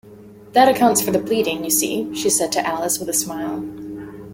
‘That accounts for the bleeding, you see,’ she said to Alice with a smile.